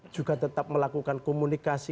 juga tetap melakukan komunikasi